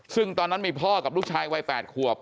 ซึ่งตอนนั้นมีพ่อกับลูกชายวัย๘ขวบ